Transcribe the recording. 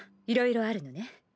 いろいろあるのね。